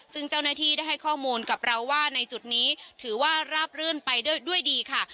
ซึ่งเจ้าหน้าที่ได้ให้ข้อมูลกับเราว่าในจุดนี้ถือว่าราบรื่นไปด้วยดีค่ะ